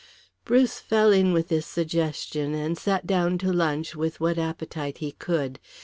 Bruce fell in with this suggestion, and sat down to lunch with what appetite he could.